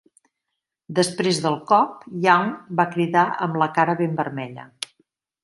Després del cop, Young va cridar amb la cara ben vermella.